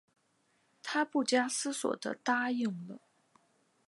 她不假思索地答应了